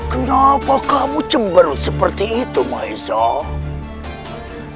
kenapa kamu cemberut seperti itu maisa